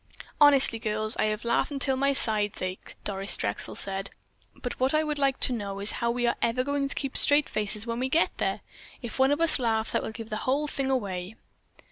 "Honestly, girls, I have laughed until my sides ache," Doris Drexel said, "but what I would like to know is how are we ever going to keep straight faces when we get there? If one of us laughs that will give the whole thing away."